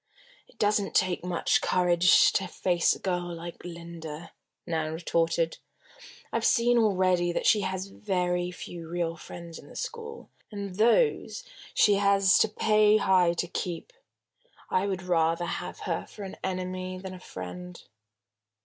"It doesn't take much courage to face a girl like Linda," Nan retorted. "I've seen already that she has very few real friends in the school, and those she has to pay high to keep. I would rather have her for an enemy than a friend."